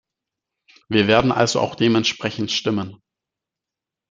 Wir werden also auch dementsprechend stimmen.